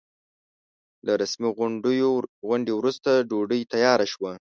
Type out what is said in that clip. له رسمي غونډې وروسته ډوډۍ تياره شوه.